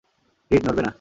Read, নড়বে না!